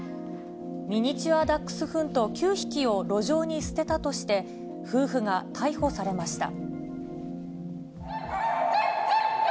ミニチュアダックスフント９匹を路上に捨てたとして、夫婦が逮捕されました。